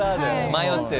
迷ってる。